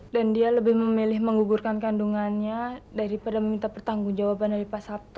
dan dia lebih memilih mengugurkan kandungannya daripada meminta pertanggung jawaban dari pak sabto